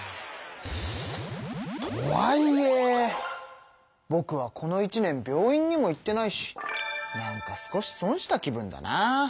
とはいえぼくはこの一年病院にも行ってないしなんか少し損した気分だなあ。